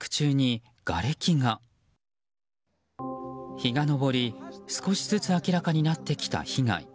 日が上り少しずつ明らかになってきた被害。